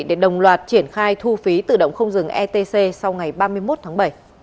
để đồng loạt triển khai thu phí tự động không dừng etc sau ngày ba mươi một tháng bảy